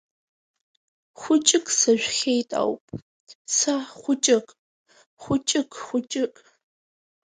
Хәыҷык сажәхьеит ауп, са хәыҷык, хәыҷык, хәыҷык!